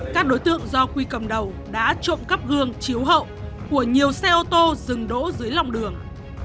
các đối tượng do quy cầm đầu đã trộm cắp gương chiếu hậu của nhiều xe ô tô dừng đỗ dưới lòng đường